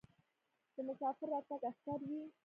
د مسافر راتګ اختر وي.